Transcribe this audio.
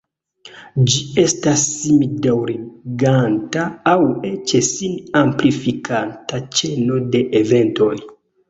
Ĝi estas sim-daŭriganta aŭ eĉ sin-amplifikanta ĉeno de eventoj.